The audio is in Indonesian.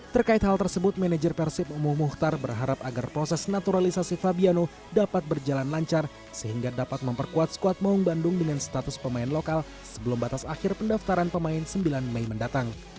terkait hal tersebut manajer persib umuh muhtar berharap agar proses naturalisasi fabiano dapat berjalan lancar sehingga dapat memperkuat skuad maung bandung dengan status pemain lokal sebelum batas akhir pendaftaran pemain sembilan mei mendatang